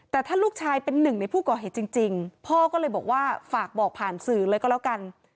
แต่ถ้าลูกชายเป็นหนึ่งในผู้ก่อเหตุจริงพ่อก็เลยบอกว่าฝากบอกผ่านสื่อเลยก็แล้วกัน